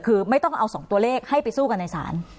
คือไม่ต้องเอา๒ตัวเลขให้ไปสู้กันในศาล